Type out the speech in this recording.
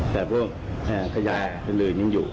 แต่พวกขยะเป็นหลื่นยังอยู่